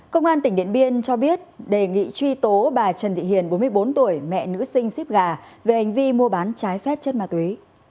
công an tỉnh điện biên cho biết đề nghị truy tố bà trần thị hiền bốn mươi bốn tuổi mẹ nữ sinh xíp gà về hành vi mua bán trái phép chất ma túy